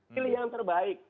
pilih yang terbaik